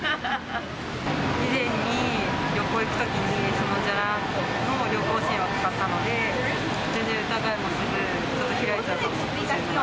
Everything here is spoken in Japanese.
以前に旅行行くときにじゃらんの旅行支援を使ったので、全然疑いもせず、開いちゃうと思います。